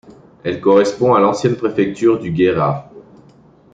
Elle correspond à l'ancienne préfecture du Guéra.